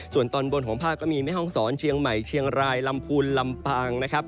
ส่วนตอนบนของภาคก็มีแม่ห้องศรเชียงใหม่เชียงรายลำพูนลำปางนะครับ